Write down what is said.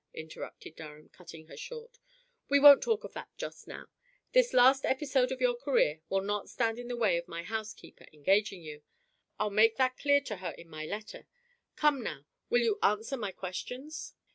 interrupted Durham, cutting her short, "we won't talk of that just now. This last episode of your career will not stand in the way of my housekeeper engaging you. I'll make that clear to her in my letter. Come now, will you answer my questions?"